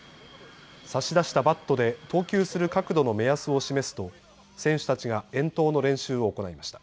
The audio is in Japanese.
差し出したバットで投球する角度の目安を示すと選手たちが遠投の練習を行いました。